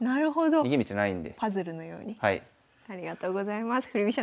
ありがとうございます。